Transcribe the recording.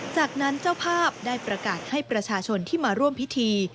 จากนั้นเจ้าภาพได้ประกาศให้ประชาชนที่มาร่วมพิธี